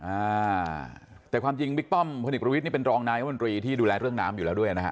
อ่าแต่ความจริงบิ๊กป้อมพลเอกประวิทย์นี่เป็นรองนายมนตรีที่ดูแลเรื่องน้ำอยู่แล้วด้วยนะฮะ